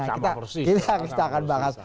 kita akan bahas